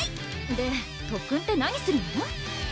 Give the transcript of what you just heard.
で特訓って何するの？